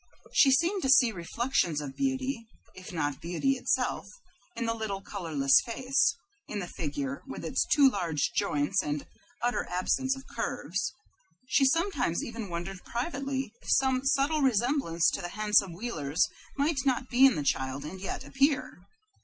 She seemed to see reflections of beauty, if not beauty itself, in the little colorless face, in the figure, with its too large joints and utter absence of curves. She sometimes even wondered privately if some subtle resemblance to the handsome Wheelers might not be in the child and yet appear.